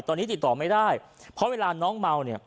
ตอนนี้ติดต่อไม่ได้เพราะเวลาน้องเมาเนี่ย